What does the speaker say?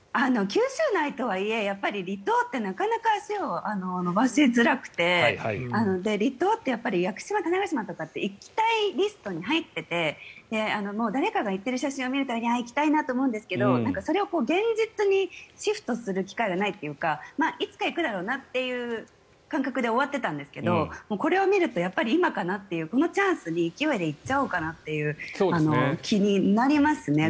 九州内とはいえ離島ってなかなか足を延ばしづらくて離島って屋久島、種子島とかって行きたいリストに入っていて誰かが行ってる写真を見る度に行きたいなと思うんですけどそれを現実にシフトする機会がないというかいつか行くだろうなって感覚で終わってたんですけどこれを見ると今かなというこのチャンスに勢いで行っちゃおうかという気になりますね。